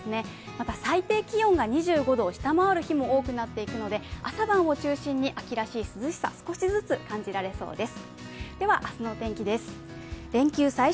また、最低気温が２５度を下回る日も多くなっていくので、朝晩を中心に秋らしい涼しさ、少しずつ感じられそうです。